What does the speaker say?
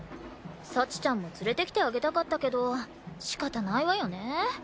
幸ちゃんも連れてきてあげたかったけど仕方ないわよね。